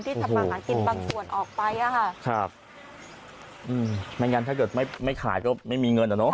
ทำมาหากินบางส่วนออกไปอ่ะค่ะครับอืมไม่งั้นถ้าเกิดไม่ไม่ขายก็ไม่มีเงินอ่ะเนอะ